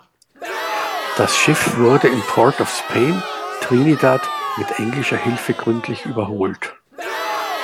Das Schiff wurde in Port of Spain, Trinidad mit englischer Hilfe gründlich überholt.